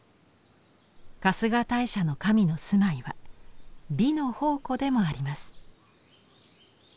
春日大社の神の住まいは美の宝庫でもあります。